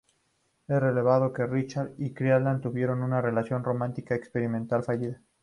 Es revelado que Richard y Clarissa tuvieron una relación romántica experimental fallida.